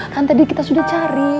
kan tadi kita sudah cari